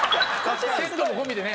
セットも込みでね。